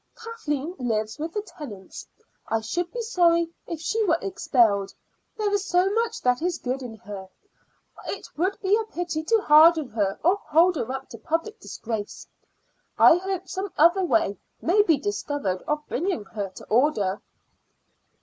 Kathleen lives with the Tennants. I should be sorry if she were expelled; there is so much that is good in her. It would be a pity to harden her or hold her up to public disgrace. I hope some other way may be discovered of bringing her to order."